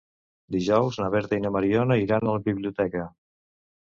Dijous na Berta i na Mariona iran a la biblioteca.